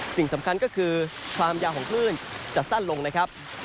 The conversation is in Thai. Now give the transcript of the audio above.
สิ่งสำคัญก็คือความยาวของคลื่นจะสั้นลงนะครับ